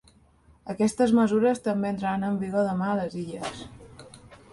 Aquestes mesures també entraran en vigor demà a les Illes.